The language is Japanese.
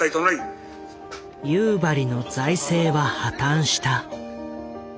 夕張の財政は破綻した。